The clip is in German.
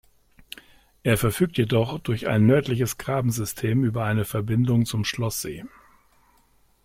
Er verfügt jedoch durch ein nördliches Grabensystem über eine Verbindung zum Schlosssee.